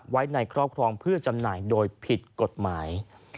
ไว้ในครอบครองเพื่อจำหน่ายโดยผิดกฎหมาย